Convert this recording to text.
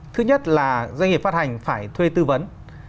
thứ nhất là doanh nghiệp phát hành phải thuê tư vấn